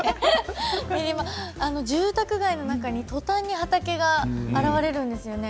住宅街の中に、とたんに畑が現れるんですよね。